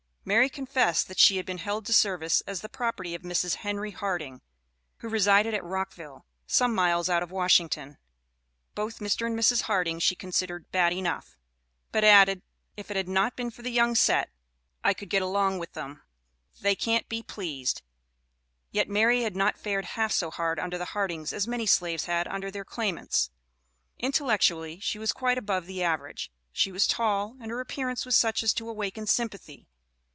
Mary confessed that she had been held to service as the property of Mrs. Henry Harding, who resided at Rockville, some miles out of Washington. Both Mr. and Mrs Harding she considered "bad enough," but added, "if it had not been for the young set I could get along with them; they can't be pleased." Yet Mary had not fared half so hard under the Hardings as many slaves had under their claimants. Intellectually, she was quite above the average; she was tall, and her appearance was such as to awaken sympathy.